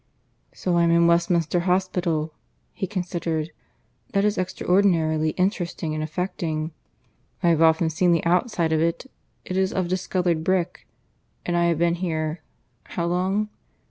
"... So I am in Westminster Hospital," he considered. "That is extraordinarily interesting and affecting. I have often seen the outside of it. It is of discoloured brick. And I have been here ... how long?